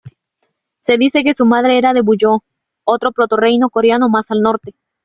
Se dice que su madre era de Buyeo, otro proto-reino coreano más al norte.